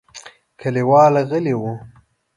کليوال غلي وو.